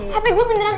hape gue beneran hilang